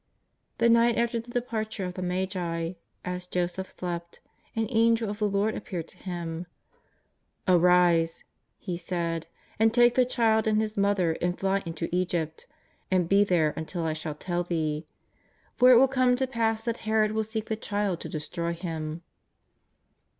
The night after the departure of the Magi, as Joseph slept, an Angel of the Lord appeared to him : "Arise,'' he said, " and take the Child and His Mo ther, and flj into Egypt, and be there until I shall tell thee. For it will come to pass that Herod will seek the Child to destroy Him."